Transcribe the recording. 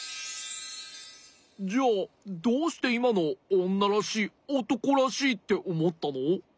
じゃあどうしていまのをおんならしいおとこらしいっておもったの？